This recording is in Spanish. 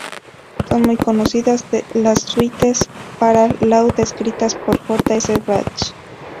Son muy conocidas las suites para laúd escritas por J. S. Bach.